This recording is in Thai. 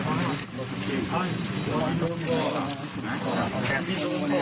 กลุ่มตัวเชียงใหม่